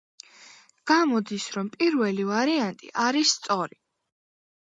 გამოდის რომ პირველი ვარიანტი არის სწორი.